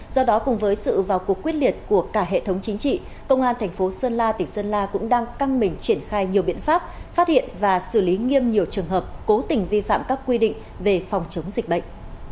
do đó cùng với sự vào cuộc quyết liệt của cả hệ thống chính trị công an thành phố sơn la tỉnh sơn la cũng đang căng mình triển khai nhiều biện pháp phát hiện và xử lý nghiêm nhiều trường hợp cố tình vi phạm các quy định về phòng chống dịch bệnh